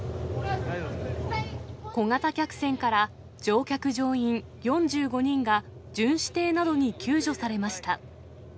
小型客船から乗客・乗員４５人が、巡視艇などに救助されました。